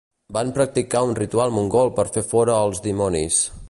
Van practicar un ritual mongol per fer fora als dimonis.